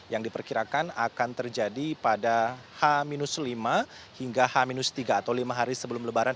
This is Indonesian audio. yang diperkirakan akan terjadi pada h lima hingga h tiga atau lima hari sebelum lebaran